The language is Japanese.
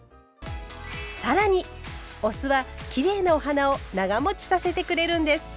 更にお酢はきれいなお花を長もちさせてくれるんです。